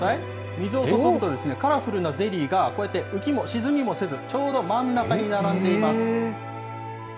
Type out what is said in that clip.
水を注ぐとカラフルなゼリーがこうやって浮きも沈みもせず、ちょうど真ん中に並んでいます。